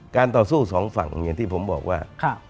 ต่อสู้สองฝั่งอย่างที่ผมบอกว่า